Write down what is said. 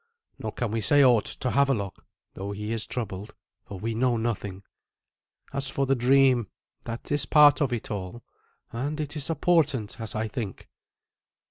Nor can we say aught to Havelok, though he is troubled, for we know nothing. As for the dream, that is part of it all, and it is a portent, as I think."